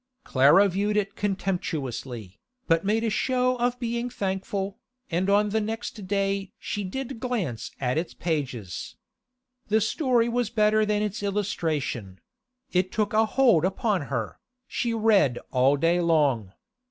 Clara viewed it contemptuously, but made a show of being thankful, and on the next day she did glance at its pages. The story was better than its illustration; it took a hold upon her; she read all day long.